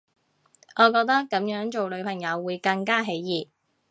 我覺得噉樣做女朋友會更加起疑